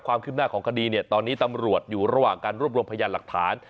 ความคืบหน้าของคดีเนี่ยตอนนี้ตำรวจอยู่ระหว่างการรวบรวมพยานหลักฐาน